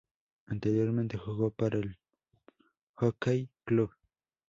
Anteriormente jugó para el Jockey Club.